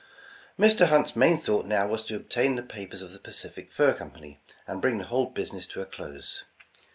Mr. Hunt's main thought now was to obtain the papers of the Pacific Fur Company, and bring the whole business to a close.